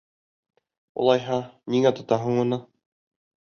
Улайһа, ниңә тотаһың уны?